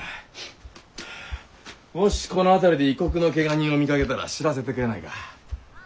もしこの辺りで異国のけが人を見かけたら知らせてくれないか。